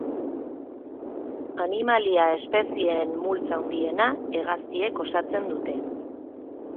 Animalia espezieen multzo handiena hegaztiek osatzen dute.